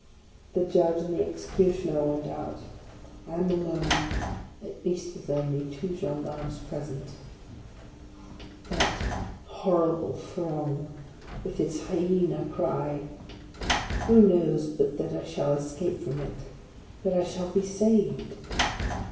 The Judge and the Executioner went out. I am alone, — at least with only two gendarmes present. OF A CONDEMNED 99 That horrible throng, with its hyena cry ! Who knows but that I shall escape from it, that I shall be saved